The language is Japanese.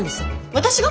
私が？